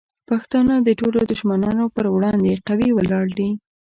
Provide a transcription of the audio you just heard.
پښتانه د ټولو دشمنانو پر وړاندې قوي ولاړ دي.